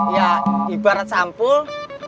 ya ibarat sampul